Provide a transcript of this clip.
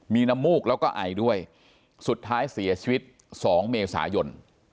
มีน้ำมูกแล้วก็ไอด้วยสุดท้ายเสียชีวิต๒เมษายน